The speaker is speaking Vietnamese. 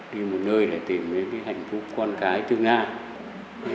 đi một nơi để tìm những hạnh phúc con cái tương lai